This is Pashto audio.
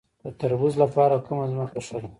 د تربوز لپاره کومه ځمکه ښه ده؟